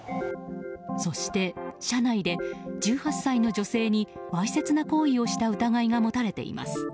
そして、車内で１８歳の女性にわいせつな行為をした疑いが持たれています。